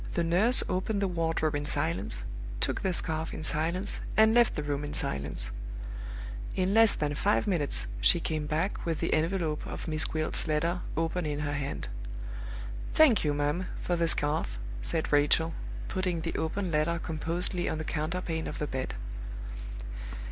The nurse opened the wardrobe in silence, took the scarf in silence, and left the room in silence. In less than five minutes she came back with the envelope of Miss Gwilt's letter open in her hand. "Thank you, ma'am, for the scarf," said Rachel, putting the open letter composedly on the counterpane of the bed.